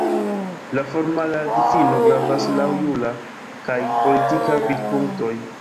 La formala difino gravas laŭ jura kaj politika vidpunktoj.